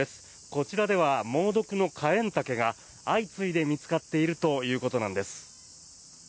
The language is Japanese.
こちらでは猛毒のカエンタケが相次いで見つかっているということなんです。